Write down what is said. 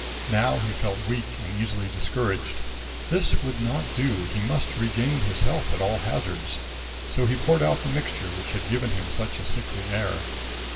Now he felt weak and easily discouraged. This would not do. He must regain his health at all hazards, so he poured out the mixture which had given him such a sickly air.